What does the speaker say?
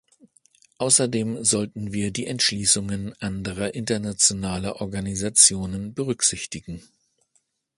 Außerdem sollten wir die Entschließungen anderer internationaler Organisationen berücksichtigen.